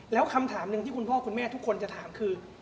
แล้วคำถามหนึ่งที่คุณพ่อคุณแม่ทุกคนจะถามคือ